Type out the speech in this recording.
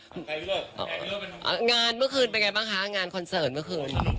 พี่โรดงานเมื่อคืนเป็นไงบ้างคะงานคอนเซิร์ตเมื่อคืนสนุก